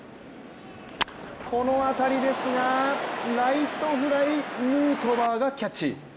この当たりですが、ライトフライヌートバーがキャッチ。